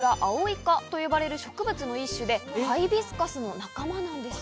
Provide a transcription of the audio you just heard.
実はオクラ、アオイ科と呼ばれる植物の一種で、ハイビスカスの仲間なんです。